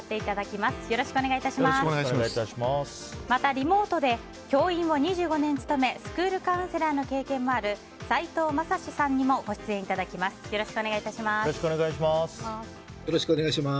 また、リモートで教員を２５年務めスクールカウンセラーの経験もある齋藤正志さんにもご出演いただきます。